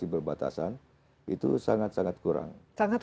di perbatasan itu sangat sangat